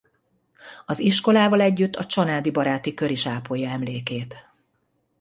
Az iskolával együtt a Csanádi Baráti Kör is ápolja emlékét.